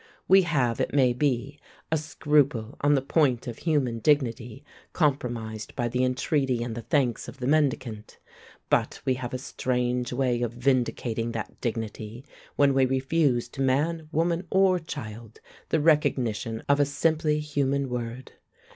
We have, it may be, a scruple on the point of human dignity, compromised by the entreaty and the thanks of the mendicant; but we have a strange way of vindicating that dignity when we refuse to man, woman, or child the recognition of a simply human word.